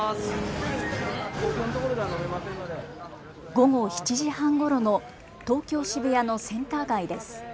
午後７時半ごろの東京渋谷のセンター街です。